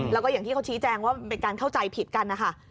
แล้วก็อย่างที่เขาชี้แจงว่ามันเป็นการเข้าใจผิดกันนะคะ